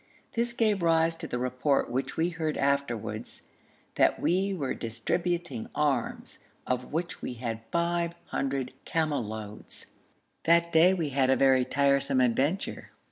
This gave rise to the report which we heard afterwards 'that we were distributing arms, of which we had five hundred camel loads.' That day we had a very tiresome adventure.